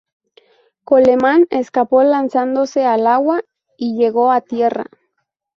Coleman escapó lanzándose al agua y llegó a tierra.